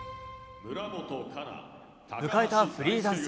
迎えたフリーダンス。